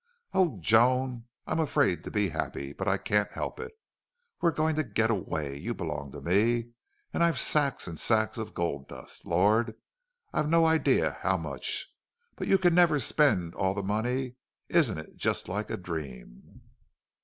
"Oh, Joan, I'm afraid to be happy. But I can't help it. We're going to get away. You belong to me. And I've sacks and sacks of gold dust. Lord! I've no idea how much! But you can never spend all the money. Isn't it just like a dream?"